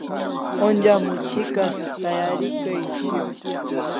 Onja much'ikas tayari kay shiaw